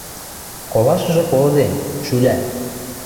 Колашыжы колыде, шӱла.